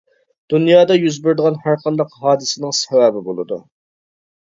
دۇنيادا يۈز بېرىدىغان ھەر قانداق ھادىسىنىڭ سەۋەبى بولىدۇ.